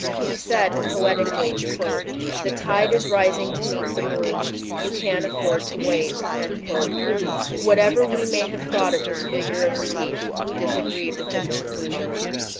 He said poetically, "The tide is rising to meet the moon .... You can afford to wait" Whatever we may have thought of his figure of speech, we disagreed with his conclusion.